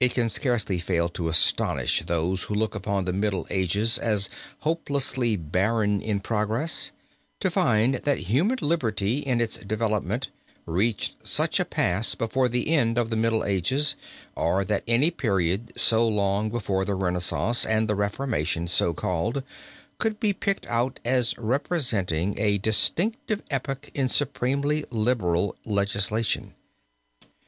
It can scarcely fail to astonish those who look upon the Middle Ages as hopelessly barren in progress, to find that human liberty in its development reached such a pass before the end of the Middle Ages, or that any period so long before the Renaissance and the reformation so called, could be picked out as representing a distinctive epoch in supremely liberal legislation.